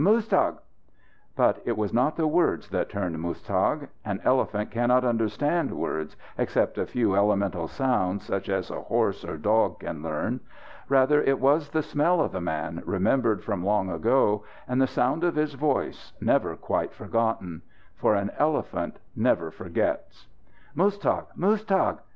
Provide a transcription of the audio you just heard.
"Muztagh!" But it was not the words that turned Muztagh. An elephant cannot understand words, except a few elemental sounds such as a horse or dog can learn. Rather it was the smell of the man, remembered from long ago, and the sound of his voice, never quite forgotten. For an elephant never forgets. "Muztagh! Muztagh!"